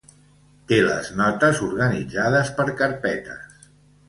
Té les notes organitzades per carpetes.